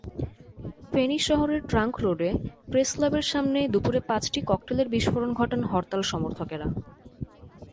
ফেনী শহরের ট্রাংক রোডে প্রেসক্লাবের সামনে দুপুরে পাঁচটি ককটেলের বিস্ফোরণ ঘটান হরতাল-সমর্থকেরা।